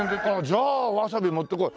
じゃあわさびもってこい。